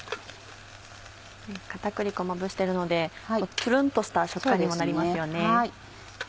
片栗粉まぶしてるのでツルンとした食感にもなりますよね。